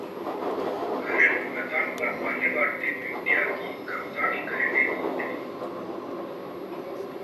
घरेलू मैदान पर पहली बार टीम इंडिया की कप्तानी करेंगे कोहली